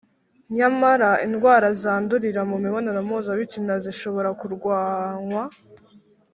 Nyamara indwara zandurira mu mibonano mpuzabitsina zishobora kurwanywa